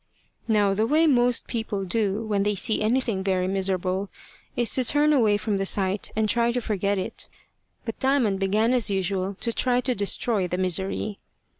Now the way most people do when they see anything very miserable is to turn away from the sight, and try to forget it. But Diamond began as usual to try to destroy the misery.